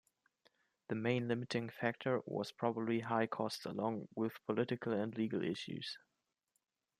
The main limiting factor was probably high costs along with political and legal issues.